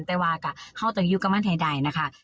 เต้าวากะเข้าไปอยู่กับมั่นไทยใด